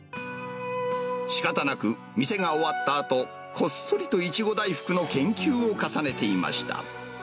しかたなく、店が終わったあと、こっそりと苺大福の研究を重ねていました。